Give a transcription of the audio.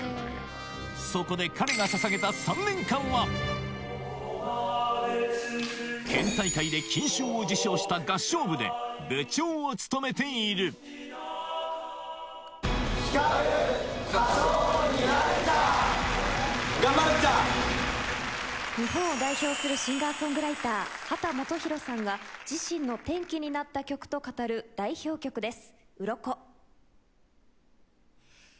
そこで彼がささげた３年間は県大会で金賞を受賞した合唱部で部長を務めている日本を代表するシンガーソングライター秦基博さんが自身の転機になった曲と語る代表曲です。